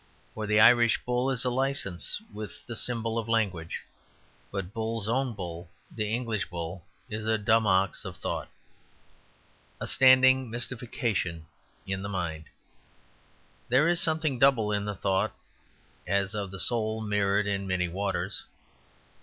For the Irish bull is a license with the symbol of language. But Bull's own bull, the English bull, is "a dumb ox of thought"; a standing mystification in the mind. There is something double in the thoughts as of the soul mirrored in many waters.